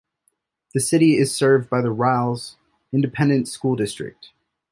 The city is served by the Ralls Independent School District.